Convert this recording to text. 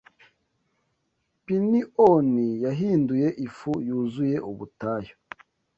Pinioni yahinduye ifu yuzuye Ubutayu